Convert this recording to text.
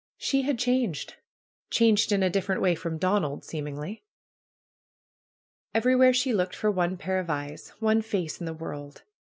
She had changed; changed in a different way from Donald, seemingly. Everywhere she looked for one pair of eyes, one face in the world.